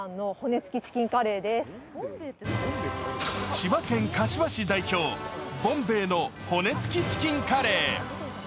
千葉県柏市代表、ボンベイの骨付きチキンカレー。